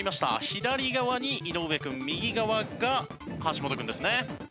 左側に井上君右側が橋本君ですね。